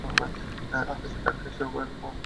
আকাশের ডাককে সে বড় ভয় করে।